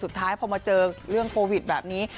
สุดท้ายพอมาเจอเรื่องโควิดแบบนี้